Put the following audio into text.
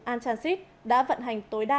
antransit đã vận hành tối đa